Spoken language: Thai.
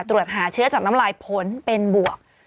ตรวจหาเชื้อจากน้ำลายผลเป็นบวก